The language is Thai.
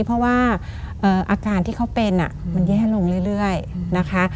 เพราะว่าเอ่ออาการที่เขาเป็นอ่ะมันแย่ลงเรื่อยเรื่อยนะคะ